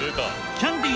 キャンディー？